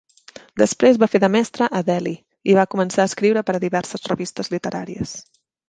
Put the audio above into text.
Després va fer de mestre a Delhi i va començar a escriure per a diverses revistes literàries.